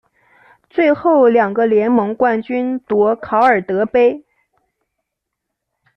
最后两个联盟冠军夺考尔德杯。